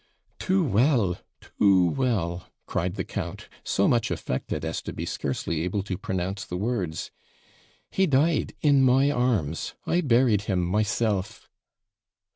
'Too well! too well!' cried the count, so much affected as to be scarcely able to pronounce the words; 'he died in my arms; I buried him myself!'